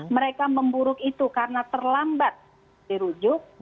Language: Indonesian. mereka memburuk itu karena terlambat dirujuk